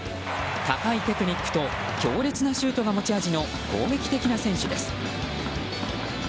高いテクニックと強烈なシュートが持ち味の攻撃的な選手です。